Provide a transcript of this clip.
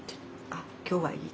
あっ今日はいい」。